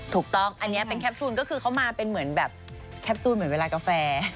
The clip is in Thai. ถูกต้องอันนี้เป็นแคปซูลก็คือเขามาเป็นเหมือนแบบแคปซูลเหมือนเวลากาแฟ